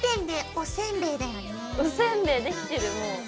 おせんべいできてるもう。